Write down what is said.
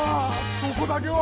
そこだけは！